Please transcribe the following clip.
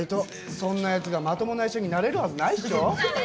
そんなヤツがまともな医者になれるはずないっしょ？